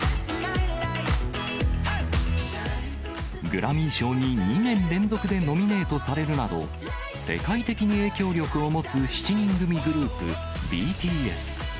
グラミー賞に２年連続でノミネートされるなど、世界的に影響力を持つ７人組グループ、ＢＴＳ。